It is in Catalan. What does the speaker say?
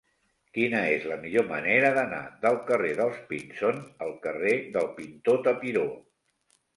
Quina és la millor manera d'anar del carrer dels Pinzón al carrer del Pintor Tapiró?